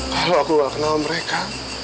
kalau aku gak kenal mereka